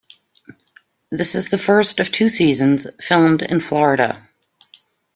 This is the first of two seasons filmed in Florida.